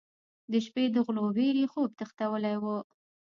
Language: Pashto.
د شپې د غلو وېرې خوب تښتولی و.